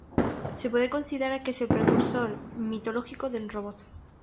Se puede considerar que es el precursor mitológico del robot.